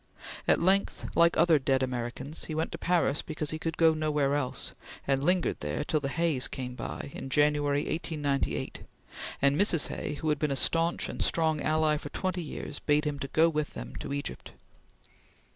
At length, like other dead Americans, he went to Paris because he could go nowhere else, and lingered there till the Hays came by, in January, 1898; and Mrs. Hay, who had been a stanch and strong ally for twenty years, bade him go with them to Egypt.